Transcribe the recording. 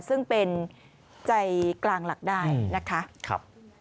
ซึ่งเป็นใจกลางหลักได้นะคะ